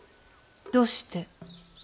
どうして？